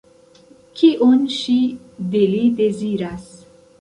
Kion ŝi de li deziras?